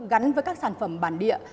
gắn với các sản phẩm bản địa